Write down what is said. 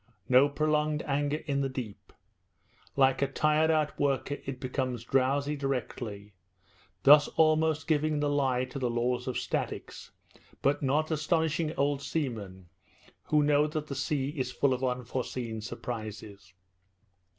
No prolonged anger in the deep. Like a tired out worker it becomes drowsy directly, thus almost giving the lie to the laws of statics, but not astonishing old seamen, who know that the sea is full of unforeseen surprises.